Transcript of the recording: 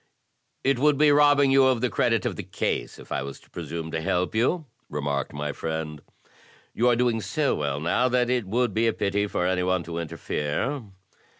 "It would be robbing you of the credit of the case if I was to presume to help you," remarked my friend. "You are doing so well now that it would be a pity for any one to interfere."